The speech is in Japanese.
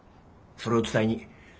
それを伝えに。